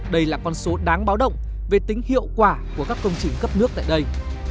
đây là con số đáng báo động về tính hiệu quả của các công trình cấp nước tại đây